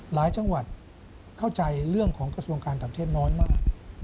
หลายจังหวัดเข้าใจเรื่องของกระทรวงการต่างประเทศน้อยมาก